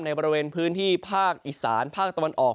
บริเวณพื้นที่ภาคอีสานภาคตะวันออก